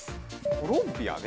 ・コロンビアね。